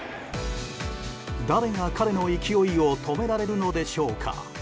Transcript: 誰が彼の勢いを止められるのでしょうか？